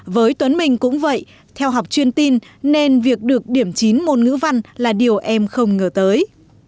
với tuấn minh cũng vậy theo học chuyên tin nên việc được điểm chín môn ngữ văn là điều em không ngờ tới